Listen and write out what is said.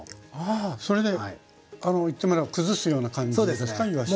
あそれであの言ってみれば崩すような感じですかいわしの。